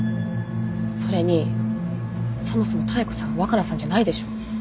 それにそもそも妙子さん若菜さんじゃないでしょ。